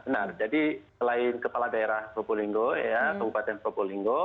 nah jadi selain kepala daerah probolinggo kabupaten probolinggo